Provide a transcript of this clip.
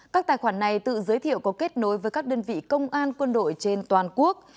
các tài khoản này tự giới thiệu có kết nối với các đơn vị công an quân đội trên toàn quốc